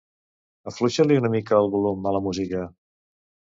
Afluixa-li una mica el volum a la música.